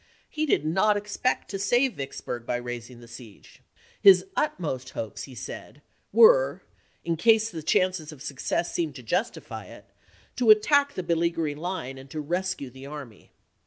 He did not expect to save Vicksburg by raising the siege. His utmost hopes, he said, were, in case the chances of success seemed to justify it, to attack the beleaguering line, and to rescue the army.